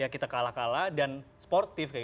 kita kalah kalah dan sportif